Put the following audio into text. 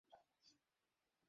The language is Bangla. সেই রং হলে তুমি।